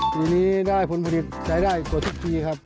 ปีนี้ได้ผลผลิตใช้ได้กว่าทุกปีครับ